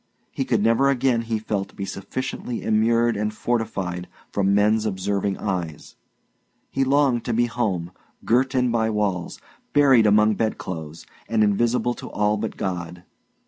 He could never again, he felt, be sufficiently immured and fortified from men's observing eyes; he longed to be home, girt in by walls, buried among bedclothes, and invisible to all but God.